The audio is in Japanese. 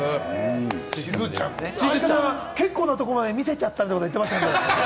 しずちゃん、結構なところまで見せちゃったと言ってましたよ。